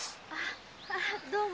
どうも。